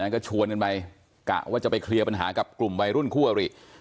ก็ชวนกันไปกะว่าจะไปเคลียร์ปัญหากับกลุ่มวัยรุ่นคู่อริ